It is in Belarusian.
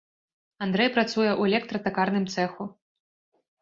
Андрэй працуе ў электра-такарным цэху.